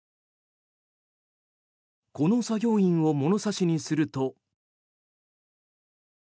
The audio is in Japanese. この作業員を物差しにすると。